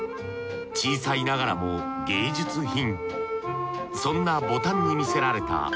小さいながらも芸術品。